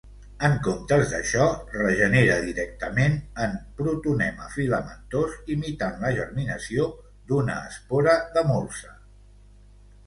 En comptes d’això regenera directament en protonema filamentós imitant la germinació d’una espora de molsa.